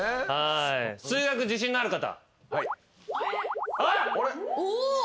数学自信のある方。